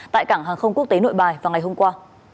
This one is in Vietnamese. tại cảng hàng không quốc tế nội bài vào ngày hôm qua